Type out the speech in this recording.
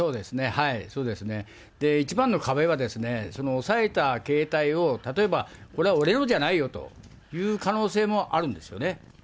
そうですね、一番の壁は、押さえた携帯を例えば、これは俺のじゃないよと言う可能性もあるんですよね。